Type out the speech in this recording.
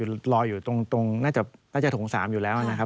เวชศรัตดิ์ที่รอยอยู่ตรงน่าจะถงสามอยู่แล้วนะครับ